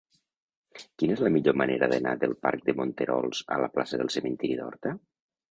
Quina és la millor manera d'anar del parc de Monterols a la plaça del Cementiri d'Horta?